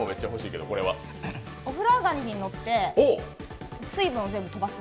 お風呂上がりに乗って水分を全部飛ばす？